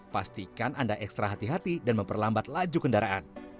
pastikan anda ekstra hati hati dan memperlambat laju kendaraan